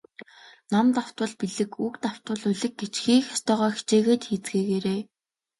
Ном давтвал билиг, үг давтвал улиг гэж хийх ёстойгоо хичээгээд хийцгээгээрэй.